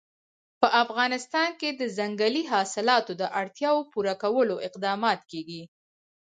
په افغانستان کې د ځنګلي حاصلاتو د اړتیاوو پوره کولو اقدامات کېږي.